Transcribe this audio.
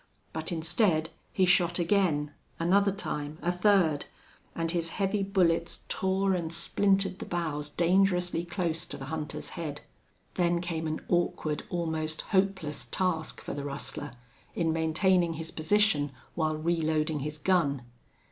But, instead, he shot again another time a third. And his heavy bullets tore and splintered the boughs dangerously close to the hunter's head. Then came an awkward, almost hopeless task for the rustler, in maintaining his position while reloading his gun.